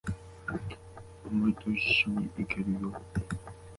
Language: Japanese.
お前と一緒に行けるよ。